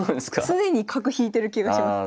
常に角引いてる気がします。